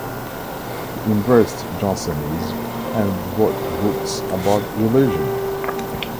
He embraced Jansenism and wrote books about religion.